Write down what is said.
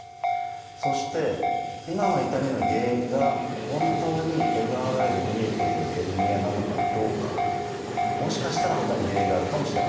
そして今の痛みの原因が本当にＭＲＩで見えているヘルニアなのかどうかもしかしたらほかに原因があるかもしれません。